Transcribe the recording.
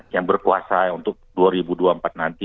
yang berkuasa untuk dua ribu dua puluh empat nanti